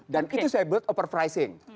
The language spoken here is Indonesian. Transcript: dan itu saya buat over pricing